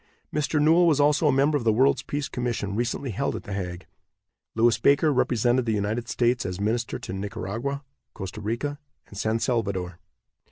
Mr. Newell was also a member of the World's Peace Commission recently held at The Hague. Lewis Baker represented the United States as minister to Nicaragua, Costa Rica and San Salvador.